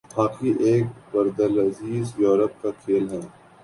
hockey ایک ہردلعزیز Europe کا کھیل ہے